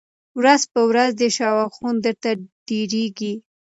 ورځ په ورځ دي شواخون درته ډېرېږی